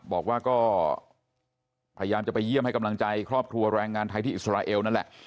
บอกว่าก็พยายามจะไปเยี่ยมให้กำลังใจครอบครัวแรงงานไทยที่อิสราเอลนั่นแหละ